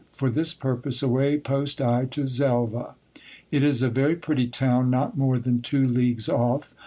For this purpose, away post I to Xelva. It is a very pretty town, not more than two leagues off.